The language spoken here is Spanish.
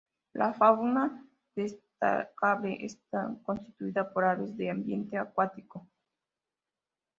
La fauna destacable está constituida por aves de ambiente acuático.